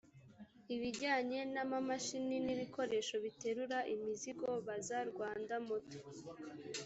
ibijyana n’ amamashini n’ ibikoresho biterura imizigo baza rwandamotor